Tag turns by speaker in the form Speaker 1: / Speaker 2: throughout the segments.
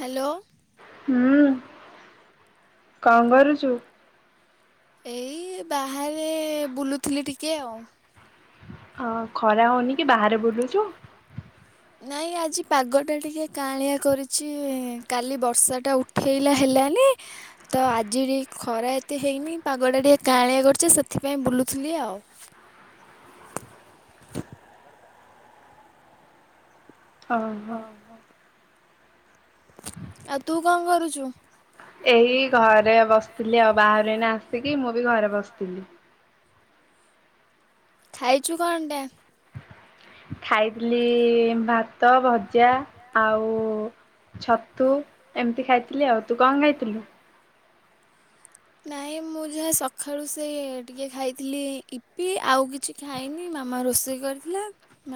Speaker 1: Hello
Speaker 2: ହୁଁ, କଣ କରୁଛୁ?
Speaker 1: ଏଇ ବାହାରେ ବୁଲୁଥିଲି ଟିକେ ଆଉ।
Speaker 2: ହଁ ଖରା ହଉନି କି ବାହାରେ ବୁଲୁଛୁ।
Speaker 1: ନାଇଁ ଆଜି ପାଗଟା ଟିକେ କାଆଁଳିଆ କରିଛି କାଲି ବର୍ଷାଟା ଉଠେଇଲା ହେଲାନି। ତ ଆଜି ଟିକେ ଖରା ଏତେ ହେଇନି ପାଗଟା ଟିକେ କାଁଳିଆ କରୁଛେ ସେଥିପାଇଁ ବୁଲୁଥିଲି ଆଉ। [inaudible]
Speaker 2: ଓ ହୋ।
Speaker 1: ଆଉ ତୁ କଣ କରୁଛୁ?
Speaker 2: ଏଇ ଘରେ ବସିଥିଲି ଆଉ ବାହାରୁ ଏଇନା ଆସିକି ମୁଁ ବି ଘରେ ବସିଥିଲି।
Speaker 1: ଖାଇଛୁ କଣ ଟା?
Speaker 2: ଖାଇଥିଲି ଭାତ, ଭଜା, ଆଉ ଛତୁ ଏମିତି ଖାଇଥିଲି ଆଉ। ତୁ କଣ ଖାଇଥିଲୁ?
Speaker 1: ନାଇଁ ମୁଁ ଯାହା ସକାଳୁ ସେ ଟିକେ ଖାଇଥିଲି ଇପି। ଆଉ କିଛି କିଛି ଖାଇନି ମାମା ରୋଷେଇ କରିଥିଲା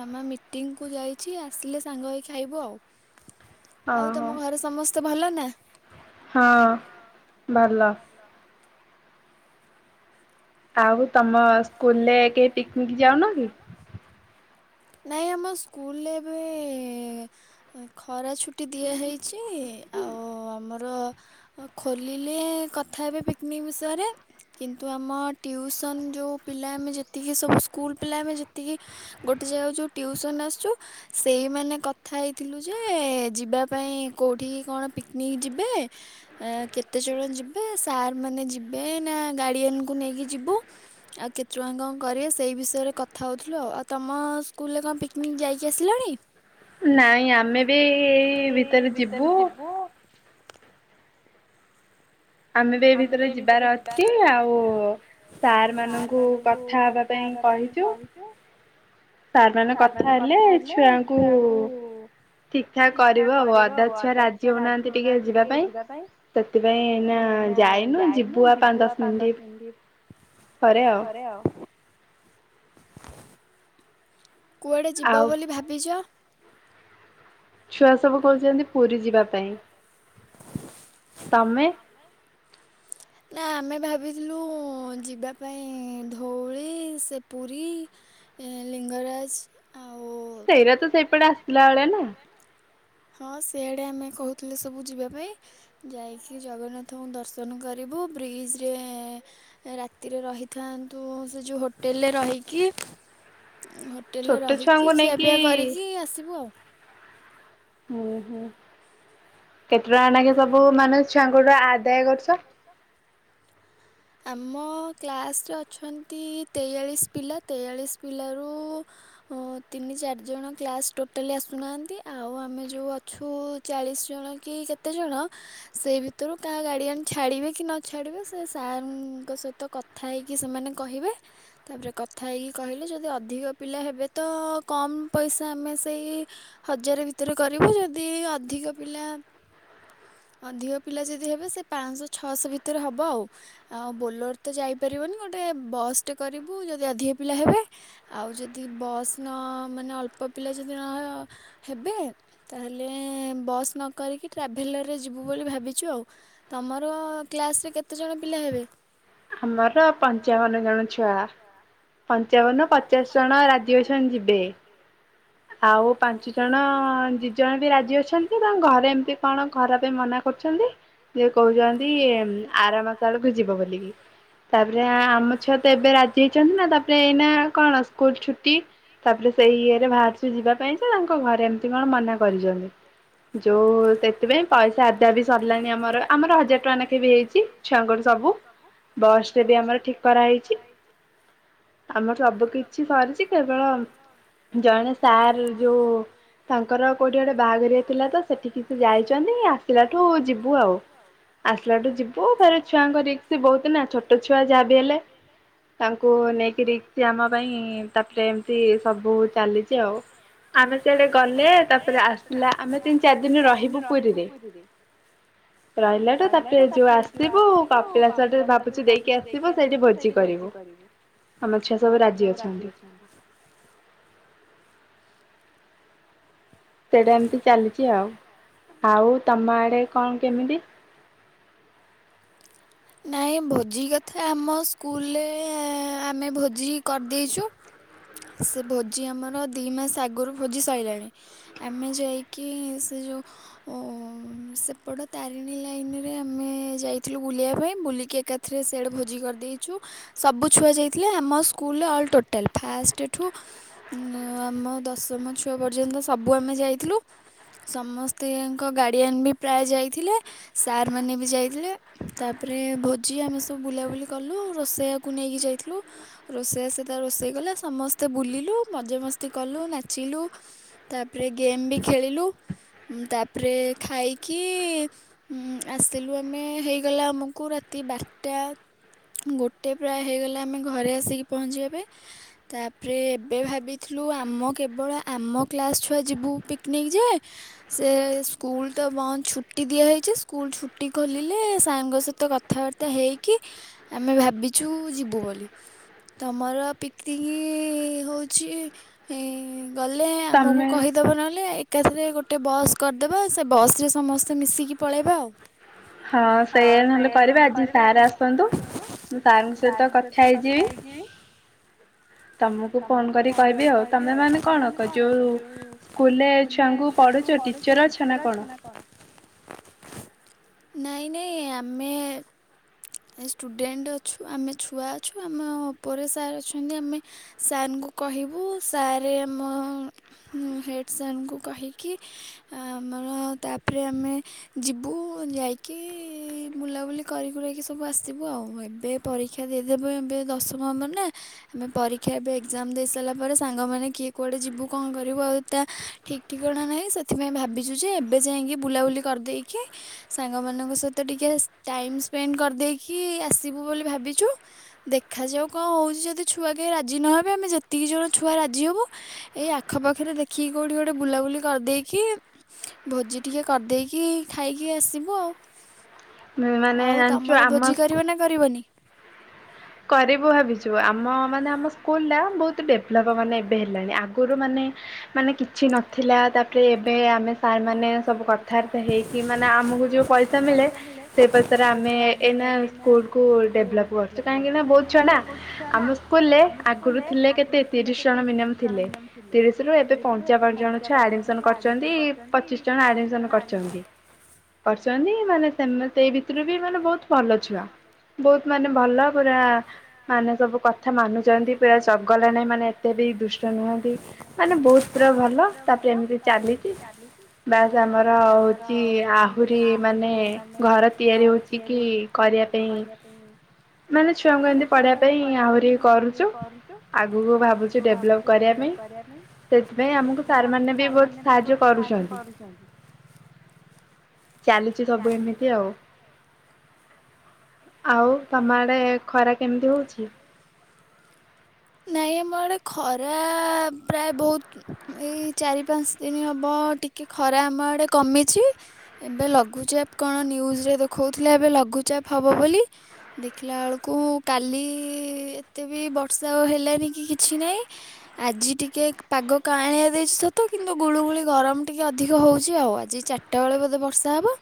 Speaker 1: ମାମା ମିଟିଙ୍ଗ କୁ ଯାଇଛି ଆସିଲେ ସାଙ୍ଗ ହେଇ ଖାଇବ ଆଉ।
Speaker 2: [inaudible]
Speaker 1: ଆଉ ତମ ଘରେ ସମସ୍ତେ ଭଲ ନା?
Speaker 2: ହଁ ଭଲ।
Speaker 1: ଭଲ।
Speaker 2: ଆଉ ତମ ସ୍କୁଲ୍ ରେ କେହି ପିକନିକ୍ ଯାଉନ କି?
Speaker 1: ନାଇଁ ଆମ ସ୍କୁଲରେ ଏବେ ଏ ଖରା ଛୁଟି ଦିଆ ହେଇଛି ଆଉ ଆମର ଆଉ ଖୋଲିଲେ କଥା ହେବେ ପିକନିକ୍ ବିଷୟରେ କିନ୍ତୁ ଆମ ଟିୟୁସ ସନ୍ ଯୋଉ ପିଲା ଆମେ ଯେତିକି ସବୁ ସ୍କୁଲ୍ ପିଲା ଆମେ ଯେତିକି ଗୋଟେ ଯାଗାକୁ ଯୋଉ ଟିଉସନ୍ ଆସୁଛୁ ସେଇ ମାନେ କଥା ହେଇଥିଲୁ ଯେ ଯିବା ପାଇଁ କୋଉଠି କଣ ପିକନିକ୍ ଯିବେ ଆଁ କେତେ ଜଣ ଯିବେ ସାର୍ ମାନେ ଯିବେ ନା ଗାଡିଆନକୁୁ ନେଇକି ଯିବୁ। ଆଉ କେତେ ଟଙ୍କା କଣ କରିବେ ସେଇ ବିଷୟରେ କଥା ହଉଥିଲୁ ଆଉ ଆଉ ତମ ସ୍କୁଲ୍ ରେ କଣ ପିକନିକ୍ ଯାଇକି ଆସିଲଣି?
Speaker 2: ନାଇଁ ଆମେ ବି ଏଇ ଭିତରେ ଯିବୁ। ଆମେ ବି ଏଇ ଭିତରେ ଯିବାର ଅଛି ଆଉ ସାର୍ ମାନଙ୍କୁ କଥା ହେବା ପାଇଁ କହିଛୁ। ସାର୍ ମାନେ କଥା ହେଲେ ଛୁଆଙ୍କୁ ଠିକ୍ ଠାକ୍ କରିବ ଆଉ ଅଧା ଛୁଆ ରାଜି ହଉନାହାନ୍ତି କିଏ କିଏ ଯିବା ପାଇଁ ସେଥିପାଇଁ ନାଁ ଯାଇନୁ ଯିବୁ ଆଉ ପାଞ୍ଚ ଦଶ ମିନିଟ୍ ପରେ ଆଉ।
Speaker 1: ରେ ଆଉ। କୁଆଡ଼େ ଯିବ ବୋଲି ଭାବିଛ?
Speaker 2: ଛୁଆ ସ
Speaker 1: ଛୁଆ ସବୁ କହୁଛନ୍ତି ପୁରୀ ଯିବା ପାଇଁ ତମେ? ନା ଆମେ ଭାବିଥିଲୁ ଯିବା ପାଇଁ ଧଉଳି ସେ ପୁରୀ ଏ ଲିଙ୍ଗରାଜ ଆଉ ସେଇଟା ତ ସେପଟେ ଆସିଲା ବେଳେ ନା। ହଁ ସେଆଡେ ଆମେ କହୁଥିଲେ ସବୁ ଯିବା ପାଇଁ ଯାଇକି ଜଗନ୍ନାଥଙ୍କୁ ଦର୍ଶନ କରି କରିବୁ ବ୍ରିଜ୍ ରେ ରାତିରେ ରହିଥାନ୍ତୁ ସେ ଯୋଉ ହୋଟେଲ ରେ ରହିକି ହୋ ହୋଟେଲ ରେ ରହିକି ଖିଆପିଆ କରିକି ଆସିବୁ ଆଉ।
Speaker 2: ହୁଁ ହୁଁ କେତେ ଟଙ୍କାନାକେ ସବୁ ମାନେ ଛୁଆଙ୍କୁ ଠୁ ଆଦାୟ କରୁଛ? ହଁ।
Speaker 1: ଆମ କ୍ଲାସ୍ ରେ ଅଛନ୍ତି ତେଇଆଳିଶ ପିଲା ତେଇଆଳିଶ ପିଲାରୁ ଅ ତିନି ଚାରି ଜଣ କ୍ଲାସ୍ ଟୋଟାଲି ଆସୁନାହାନ୍ତି ଆଉ ଆମେ ଯୋଉ ଅଛୁ ଚାଳିଶ ଜଣ କି କେତେଜଣ ସେଇ ଭିତରୁ କାହା ଗାଡିଆନ୍ ଛାଡିବେ କି ନ ଛାଡିବେ ସେ ସାର୍ ଙ୍କ ସହି ତ କଥା ହେଇକି ସେମାନେ କହିବେ। ତା ପରେ କଥା ହେଇକି କହିଲେ ଯଦି ଅଧିକ ପିଲା ହେବେ ତ କମ୍ ପଇସା ଆମେ ସେଇ ହଜାରେ ଭିତରେ କରିବୁ ଯଦି ଅଧିକ ପିଲା ଅଧିକ ପିଲା ଯେଦି ହେବେ ସେ ପାଞ୍ଚଶହ ଛଅଶହ ଭିତରେ ହବ ଆଉ। ଆଉ ବୋଲୋର ତ ଯାଇପାରିବନି ଗୋଟେ ବସ୍ ଟେ କରିବୁ ଯଦି ଅଧିକ ପିଲା ହେବେ। ଆଉ ଯଦି ବସ୍ ନ ମାନେ ଅଳ୍ପ ପିଲା ଯଦି ନ ହେବ ହେବେ ତାହେଲେ ବସ୍ ନ କରିକି ଟ୍ରାଭେଲାରରେ ଯିବୁ ବୋଲି ଭାବିଛୁ ଆଉ ତମର କ୍ଲାସ୍ ରେ କେତେଜଣ ପିଲା ହେବେ?
Speaker 2: ଆମର ପଞ୍ଚାବନ ଜଣ ଛୁଆ। ପଞ୍ଚାବନ ପଚାଶ ଜଣ ରାଜି ଅଛନ୍ତି ଯିବେ। ଆଉ ପାଞ୍ଚ ଜଣ ଦି ଜଣ ବି ରାଜି ଅଛନ୍ତି ତାଙ୍କ ଘରେ ଏମିତି କଣ ଖରା ପାଇଁ ମନା କରୁଛନ୍ତି। ସିଏ କହୁଛନ୍ତି ଆର ମାସ ଆଡକୁ ଯିବ ବୋଲି କି। ତାପରେ ଆମ ଛୁଆ ତ ଏବେ ରାଜି ହେଇଛନ୍ତି ନା ତାପରେ ଏଇନା କଣ କଣ ସ୍କୁଲ୍ ଛୁଟି ତାପରେ ସେଇ ଇଏରେ ବାହାରିଛୁ ଯିବା ପାଇଁ ଯେ ତାଙ୍କ ଘରେ ଏମିତି କଣ ମନା କରିଛନ୍ତି। ଯୋଉ ସେଥିପାଇଁ ପଇସା ଆଦା ବି ସରିଲାଣି ଆମର ଆମର ହଜାର ଟଙ୍କା ଲେଖେ ବି ହେଇଛି। ଛୁଆଙ୍କଠୁ ସବୁ ବସ ଟେ ବି ଆମର ଠିକ କରାହେଇଛି। ଆମର ସବୁ କିଛି ସରିଛି କେବଳ। ଜଣେ ସାର୍ ଯୋଉ। ତାଙ୍କର କୋଉଠି ଗଟେ ବାହାଘରିଆ ଥିଲା ତ ସେଠିକି ସେ ଯାଇଛନ୍ତି ଆସିଲାଠୁ ଯିବୁ ଆଉ। ଆସିଲାଠୁ ଯିବୁ ଫରେ ଛୁଆଙ୍କୁ ରିକ୍ସା ବହୁତ ନା ଛୋଟ ଛୁଆ ଯାହା ବି ହେଲେ ତାଙ୍କୁ ନେଇକିରି। ସିଏ ଆମ ପାଇଁ ତାପରେ ଏମତି ସବୁ ଚାଲିଛି ଆଉ ଆମେ ସିଆଡେ ଗଲେ ତାପରେ ଆସ ହେଲା ଆମେ ତିନି ଚାରି ଦିନ ରହିବୁ ପୁରୀରେ। ରହିଲାଟୁ ତାପରେ ଯୋଉ ଆସିବୁ କପିଳାସ ଠେ
Speaker 1: ଠି ଭାବୁଛି ଦେଇକି ଆସିବ ସେଇଠି ଭୋଜି କରିବୁ।
Speaker 2: ଆମ ଛୁଆ ସବୁ ରାଜି ଅଛନ୍ତି। ସେଇଟା ଏମତି ଚାଲିଛି ଆଉ ଆଉ ତମ ଆଡେ କଣ କେମିତି?
Speaker 1: ନାଇଁ ଭୋଜି କଥା ଆମ ସ୍କୁଲରେ ଆମେ ଭୋଜି କରିଦେଇଛୁ। ସେ ଭୋଜି ଆମର ଦି ମାସ ଆଗରୁ ଭୋଜି ସଇଲାଣି। ଆମେ ଯାଇକି ସେ ଯୋଉ ଉଁ ଉଁ ସେପଟ ତାରିଣୀ ଲାଇନ ରେ ଆମେ ଯାଇଥିଲୁ ବୁଲିବା ପାଇଁ ବୁଲିକି ଏକା ଥେରେ ସିଆଡ଼େ ଭୋଜି କରିଦେଇଛୁ ସବୁ ଛୁଆ ଯାଇଥିଲେ ଆମ ସ୍କୁଲରେ ଅଲ୍ ଟୋଟାଲ୍ ଫାଷ୍ଟ। ତୃତିୟ ଠୁ ଆମ ଦଶମ ଛୁଆ ପର୍ଯ୍ୟନ୍ତ ସବୁ ଆମେ ଯାଇଥିଲୁ। ସମସ୍ତେଙ୍କ ଗାଡ଼ିଆନ୍ ବି ପ୍ରାୟ ଯାଇଥିଲେ। ସାର୍ ମାନେ ବି ଯାଇଥିଲେ ତାପରେ ଭୋଜି ଆମେ ସବୁ ବୁଲାବୁଲି କଲୁ ରୋଷେଇଆ। କୁ ନେଇକି ଯାଇଥିଲୁ ରୋଷେଇଆ ସେ ତାର ରୋଷେଇ କଲା। ସମସ୍ତେ ବୁଲିଲୁ ମଜ ମସ୍ତି କଲୁ ନାଚିଲୁ ତାପରେ ଗେମ୍ ବି ଖେଳିଲୁ। ଉଁ ତାପରେ ଖାଇକି। ଉଁ ଆସିଲୁ ଆମେ ହେଇଗଲା ଆମକୁ ରାତି ବାରଟା। ଗୋଟେ ପ୍ରାୟ ହେଇଗଲା ଆମେ ଘରେ ଆସିକି ପହଞ୍ଚିବା ପାଇଁ। ତାପରେ ଏବେ ଭାବିଥିଲୁ ଆମ କେବଳ ଆମ କ୍ଲାସ୍ ଛୁଆ ଯିବୁ ପିକନିକ ଯେ। ସେ ସ୍କୁଲ ତ ବନ୍ଦ ଛୁଟି ଦିଆ ହେଇଛି ସ୍କୁଲ ଛୁଟି ଖୋଲିଲେ ସାଙ୍ଗଙ୍କ ସହିତ କଥାବାର୍ତ୍ ର୍ତ୍ତା ହେଇକି ଆମେ ଭାବିଛୁ ଯିବୁ ବୋଲି ତମର ପିକ୍ ପିକନିକ ହୋଉଛି ହି ଗଲେ ଆମକୁ କହିଦ ଦେବ ନହେଲେ ଏକାଥରେ ଗୋଟେ ବସ୍ କରିଦେବା ସେ ବସ ରେ ସମସ୍ତେ ମିଶିକି ପଳେଇବା ଆଉ।
Speaker 2: ହଁ ସେଇଆ ନହେଲେ କରିବେ ଆଜି ସାର୍ ଆସନ୍ତୁ ମୁଁ ସାରଙ୍କ ସହିତ କଥା ହେଇଯିବି।
Speaker 1: ଉଁ। ତମକୁ ଫୋନ କରି କହିବି ଆଉ ତମେ ମାନେ କଣ କ ଯୋଉ ସ୍କୁଲ ରେ ଛୁଆ ଙ୍କୁ ପ ପଢ଼ଉଛ ଟିଚର ଅଛି ନା‌ କଣ।
Speaker 2: [inaudible]
Speaker 1: ନାଇଁ ନାଇଁ ଆମେ। ଏ ଷ୍ଟୁଡେଣ୍ଟ ଅଛୁ ଆମେ ଛୁଆ ଅଛୁ ଆମ ପରେ ସାର୍ ଅଛୁ। ମାନେ ଆମେ ସାରଙ୍କୁ କହିବୁ ସାର୍ ଆମ। ଉଁ ହେଡ଼୍ ସାର ଙ୍କୁ କହିକି ଆମର ତାପରେ ଆମେ। ଯିବୁ ଯାଇକି ବୁଲାବୁଲି କରିକୁରା କି ସବୁ ଆସିବୁ ଆଉ ଏବେ। ପରୀକ୍ଷା ଦେଇଦେବେ ଏବେ ଦଶମ ଆମର ନା ଆମେ ପରୀକ୍ଷା ଏବେ ଏକ୍ଜାମ ଦେଇ ସାରିଲା ପରେ ସାଙ୍ଗମାନେ କିଏ କୁଆଡ଼େ ଯିବୁ କଣ କରିବୁ ଆଉ ତା ଠିକ୍। ଠିକଣା ନାହିଁ ସେଥିପାଇଁ ଭାବିଛୁ ଯେ ଏବେ ଯାଇକି ବୁଲାବୁଲି କରିଦେଇକି। ସାଙ୍ଗମାନଙ୍କ ସହିତ ଟିକେ ଟାଇମ ସ୍ପେଣ୍ଡ କରିଦେଇକି ଆସିବୁ ବୋଲି ଭାବିଛୁ। ଦେଖାଯାଉ କଣ ହଉଛି ଯଦି ଛୁଆ କେହି ରାଜି ନହେବେ ଆମେ ଯେତିକି ଜଣ ଛୁଆ ରାଜି ହବୁ ଏଇ ଆଖପାଖରେ ଦେଖିକି କୋଉଠି ଗୋଟେ ବୁଲାବୁଲି କରିଦେଇକି। ଭୋଜି ଟିକେ କରିଦେଇକି ଖାଇକି ଆସିବୁ ଆଉ। ଆଉ ତମର ଭୋଜି କରିବ ନା କରିବନି?
Speaker 2: କରିବୁ ଭାବିଛୁ ଆମ ମାନେ ଆମ ସ୍କୁଲଟା ବହୁତ ଡେଭଲପ୍ ମାନେ ଏବେ ହେଲାଣି ଆଗରୁ ମାନେ ମାନେ କିଛି ନଥିଲା ତାପରେ ଏବେ ଆମେ ସାରମାନେ ସବୁ କଥାବାର୍ତ୍ତା ହେଇ କି ମାନେ ଆମକୁ ଯୋଉ ପଇସା ମିଳେ। ସେ ପଇସାରେ ଆମେ ଏଇନା ସ୍କୁଲ କୁ ଡେଭଲପ କରୁଛୁ। କାହିଁକି ନା ବହୁତ ଛୁଆ ନା ଆମ ସ୍କୁଲରେ ଆଗରୁ ଥିଲେ କେତେ ତିରିଶ ଜଣ ମିନିମମ ଥିଲେ। ତିରିଶ ରରୁ ଏବେ ପଞ୍ଚାବନ ଜଣ ଛୁଆ ଆଡମିଶନ କରିଛନ୍ତି ପଚିଶ ଜଣ ଆଡମିଶନ କରିଛନ୍ତି। କରିଛନ୍ତି ମାନେ ସେ ସେଇ ଭିତରୁ ବି ମାନେ ବହୁତ ଭଲ ଛୁଆ ବହୁତ ମାନେ ଭଲ। ପୁରା ମାନେ ସବୁ କଥା ମାନୁଛନ୍ତି ପୁରା ଚଗଲା ନାଇଁ ମାନେ ଏତେ ବି ଦୁଷ୍ଟ ନୁହନ୍ତି। ମାନେ ବହୁତ ପୁରା ଭଲ ତାପରେ ଏମିତି ଚାଲିଛି ବାସ୍ ଆମର ହେଉଛି ଆହୁରି ମାନେ
Speaker 1: ମାନେ ଘର ତିଆରି ହେଉଛି କି କରିବା ପାଇଁ? ମାନେ ଛୁଆଙ୍କୁ ଏମିତି ପଢିବା ପାଇଁ ଆହୁରି କରୁଛୁ ଆଗକୁ ଭାବୁଛୁ ଡେଭଲପ କରବୁ। [unintelligible]
Speaker 2: ସେଥିପାଇଁ ଆମକୁ ସାରମାନେ ବି ବହୁତ ସାହାଯ୍ୟ କରୁଛନ୍ତି। ଚାଲିଛି ସବୁ ଏମିତି ଆଉ ଆଉ ତମ ଆ ଖରା କେମିତି ହଉଛି?
Speaker 1: ନାଇଁ ଆମ ଆଡେ ଖରା ପ୍ରାୟ ବହୁତ। ଏଇ ଚାରି ପାଞ୍ଚ ଦିନ ହେବ ଟିକେ ଖରା ଆମ ଆଡ଼େ କମିଛି। ଏବେ ଲଘୁଚାପ କଣ ନିୟୁଜ ଦେଖଉଥିଲା ଏବେ ଲଘୁଚାପ ହବ ବୋଲି। ଦେଖିଲା ବେଳକୁ କାଲି ଏତେ ବି ବର୍ଷା ଆଉ ହେଲାନି କି କିଛି ନାହିଁ। ଆଜି ଟିକିେ ପାଗ କାଁଆଳିଆ ଦେଇଛି ସତ କିନ୍ତୁ ଗୁଳୁଗୁଳି ଗରମ ଟିକଏ ଅଧିକ ହେଉଛି ଆଉ ଆଜି ଚ ଚାରିଟାବେେଳେ ବୋଧେ ବର୍ଷା ହେବ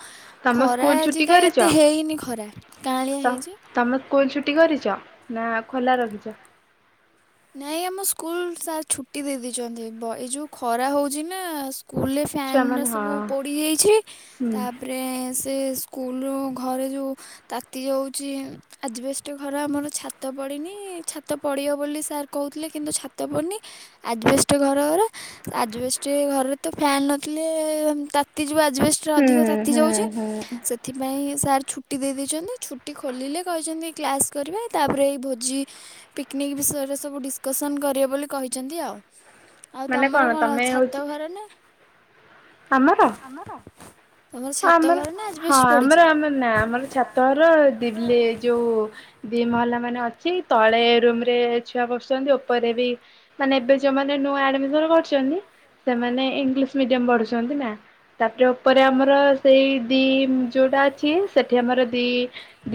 Speaker 1: ଖରା ଆଜି କାହିଁ ଏତେ ହେଇନି ଖରା କାଁଳିଆ ହେଇଛି।
Speaker 2: ତୁମେ ସ୍କୁଲ ଛୁଟି କରିଛ ନା ଖୋଲା ରଖିଚ?
Speaker 1: ନାଇଁ ଆମ ସ୍କୁଲ ସାର ଛୁଟି ଦେଇଦଛନ୍ତି ଏଇ ଯୋଉ ଖରା ହଉଛି ନା। ସ୍କୁଲରେ ଫ୍ୟାନ ସବୁ ପୋଡି ଯାଇଛି ତାପରେ ସେ ସ୍କୁଲରୁଘରେ ଯେଉଁ ତାତି ଯାଉଛି ଆଜିବେଷ୍ଟ ଘର ଆମର ଛାତ ପଡ଼ିନି ଛାତ ପଡ଼ିବ ବୋଲି ସାର୍ କହୁଥିଲେ କିନ୍ତୁ ଛାତ ପଡ଼ୁନି ଆଟ୍ ବେଷ୍ଟ ଘର ଗୁରା। ଆଜି ବେଷ୍ଟ ଘରେ ତ ଫ୍ୟାନ ନଥିଲେ ତାତି ଯିବୁ ଆଜି ବେଷ୍ଟ। ଅଧିକ ତାତି ଯାଉଚି। ସେଥିପାଇଁ ସାର୍ ଛୁଟି ଦେଇ ଦେଇଛନ୍ତି ଛୁଟି ଖୋଲିଲେ କହିଛନ୍ତି କ୍ଲାସ୍ କରିବେ ତାପରେ ଏଇ ଭୋଜି। ପିକନିକ ବିଷୟରେ ସବୁ ଡିସକସନ କରିବେ ବୋଲି କହିଛନ୍ତି ଆଉ। ଆଉ ତମର କଣ ଛାତ ଘର ନା?
Speaker 2: ଆମର।
Speaker 1: ମୋର।
Speaker 2: ଆମର ହଁ ଆମର ଆମର ନା ଆମର ଛାତଘର ଦିଲ୍ଲା ଯୋଉ ଦି ମହଲା ମାନେ ଅଛି ତଳେ ରୁମ ରେ ଛୁଆ ବସୁଛନ୍ତି ଉପରେ ବି ମାନେ ଏବେ ଯେଉଁ ମାନେ ନୂଆ ଆଡ଼ିମିସନ କରିଛନ୍ତି। ସେମାନେ ଇଂଲିଶ୍ ମିଡିୟମ୍ ପଢୁଛନ୍ତି ନା ତାପରେ ଉପରେ ଆମର୍ ପ୍ରାୟ ସେଇ ଦିମ୍ ଯୋଉଟା ଅଛି‍। ସେଠି ଆମର ଦି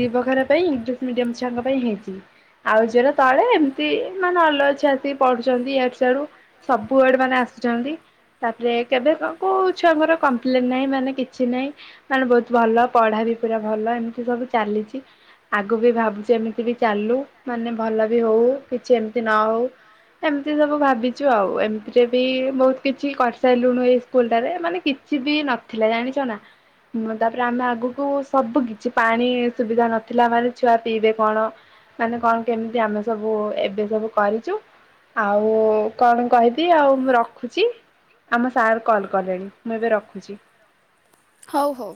Speaker 2: ଦିବଖରା ପାଇଁ ଇଂଲିଶ ମିଡିୟମ୍ ଛୁଆଙ୍କ ପାଇଁ ହେଇଚି। ଆଉ ଝିର ତଳେ ଏମିତି ମାନେ ଅଲଜା ଆତି ପଢୁଛନ୍ତି ଡୁ ସଆଡୁ ସବୁ ୱଡ୍ ମାନେ ଆସୁଛନ୍ତି। ତାପରେ କେବେ କ କୋଉ ଛୁଆଙ୍କର କମ୍ପ୍ଲେନ୍ ନାହିଁ ମାନେ କି କିଛି ନାଇଁ ମାନେ ବହୁତ ଭଲ ପଢା ବି ପୁରା ଭଲ ଏମିତି ସବୁ ଚାଲିଛି। ଆଗକୁ ବି ଭାବୁଛି ଏମିତି ବି ଚାଲୁ ମାନେ ଭଲ ବି ହଉ କିଛି ଏମିତି ନ ହଉ। ଏମିତି ସବୁ ଭାବିଛୁ ଆଉ ଏମିତି ଜଦି ବି ବହୁତ୍ କିଛି କରିସାରିଲୁଣିୁ ଏଇ ସ୍କୁଲ୍ ଟାରେ ମାନେ କ୍ କିଛି ବି ନଥିଲା ଜାଣିଛ ନା, ତାପରେ ଆମେ ଆଗକୁ ସବୁ ଗୀତ୍ କିଛି ପାଣି ସୁବିଧା ନଥିଲା, ମାନେ ଛୁଆ ପିଇବେ କଣ ମାନେ କଣ? କେମିତି ଆମେ ସବୁ ଏବେ ସବୁ। କରିଚୁ। ଆଉ ଉ କଣ କହିବି ଆଉ ମୁଁ ରଖୁଛି? ଆମ ସାର୍ କଲ୍ କଲେଣି। ମୁଁ ଏବେ ରଖୁଛି।
Speaker 1: ହଉ, ହଉ।